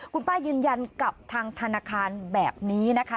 คุณป้ายืนยันกับทางธนาคารแบบนี้นะคะ